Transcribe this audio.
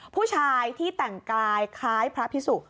ผู้ชายที่แต่งกายคล้ายพระพิสุ